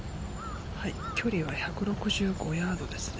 距離は１６５ヤードですね。